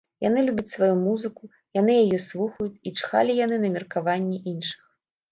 Яны любяць сваю музыку, яны яе слухаюць і чхалі яны на меркаванне іншых.